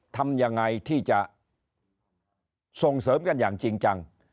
ทำยังไงที่จะส่งเสริมกันอย่างจริงจัง